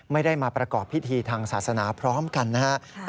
ไม่ได้มาประกอบพิธีทางศาสนาพร้อมกันนะครับ